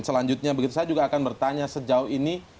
selanjutnya begitu saya juga akan bertanya sejauh ini